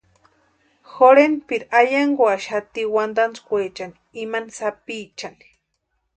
Jorhenpiri ayankwaxati wantantskwechani imani sapichani.